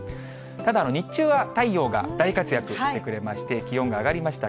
ただ、日中は太陽が大活躍してくれまして、気温が上がりました。